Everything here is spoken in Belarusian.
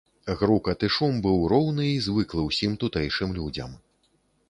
Грукат і шум быў роўны і звыклы ўсім тутэйшым людзям.